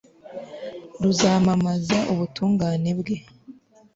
ruzamamaza ubutungane bwe